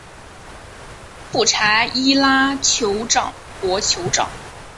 富查伊拉酋长国酋长